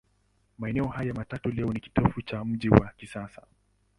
Maeneo hayo matatu leo ni kitovu cha mji wa kisasa.